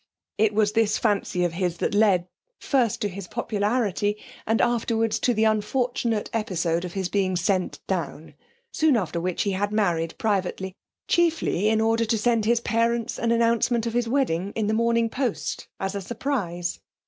It was this fancy of his that led, first, to his popularity, and afterwards to the unfortunate episode of his being sent down; soon after which he had married privately, chiefly in order to send his parents an announcement of his wedding in The Morning Post, as a surprise.